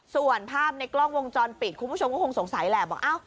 ส่วนภาพในกล้องวงจรปิดคุณผู้ชมก็คงสงสัยแหละบอก